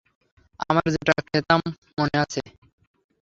আমরা যেটা খেতাম মনে আছে?